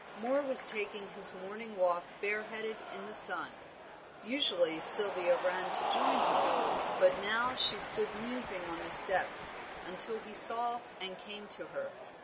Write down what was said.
Moor was taking his morning walk bareheaded in the sun. Usually Sylvia ran to join him, but now she stood musing on the steps, until he saw and came to her.